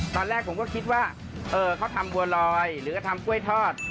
ตอนแรกผมก็คิดว่าเขาทำบัวลอยหรือก็ทำกล้วยทอด